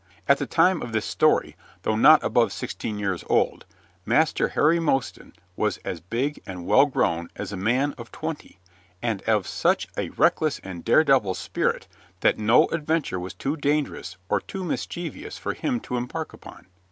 At the time of this story, though not above sixteen years old, Master Harry Mostyn was as big and well grown as many a man of twenty, and of such a reckless and dare devil spirit that no adventure was too dangerous or too mischievous for him to embark upon.